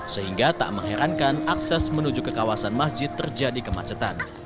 sehingga tak mengherankan akses menuju ke kawasan masjid terjadi kemacetan